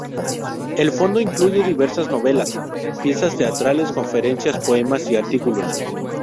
El fondo incluye diversas novelas, piezas teatrales, conferencias, poemas y artículos.